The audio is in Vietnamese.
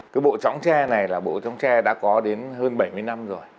cái bộ tróng tre này là bộ tróng tre đã có đến hơn bảy mươi năm rồi